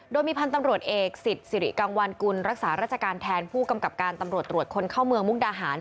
โดยมีพันธ์ตำรวจเอกสิทธิ์สิริกังวันกุลรักษาราชการแทนผู้กำกับการตำรวจตรวจคนเข้าเมืองมุกดาหาร